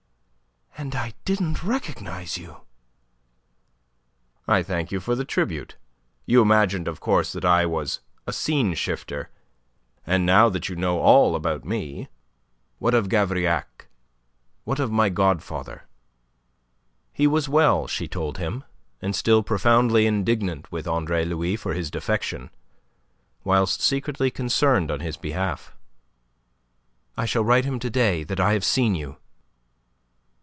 "And I didn't recognize you!" "I thank you for the tribute. You imagined, of course, that I was a scene shifter. And now that you know all about me, what of Gavrillac? What of my godfather?" He was well, she told him, and still profoundly indignant with Andre Louis for his defection, whilst secretly concerned on his behalf. "I shall write to him to day that I have seen you."